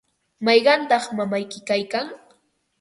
¿mayqantaq mamayki kaykan?